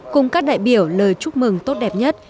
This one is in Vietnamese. cùng các đại biểu lời chúc mừng tốt đẹp nhất